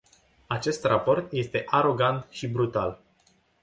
Acest raport este arogant și brutal.